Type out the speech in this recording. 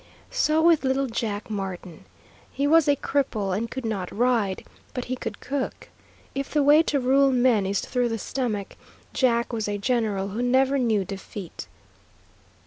So with Little Jack Martin. He was a cripple and could not ride, but he could cook. If the way to rule men is through the stomach, Jack was a general who never knew defeat.